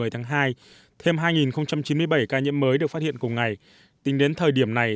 một mươi tháng hai thêm hai chín mươi bảy ca nhiễm mới được phát hiện cùng ngày tính đến thời điểm này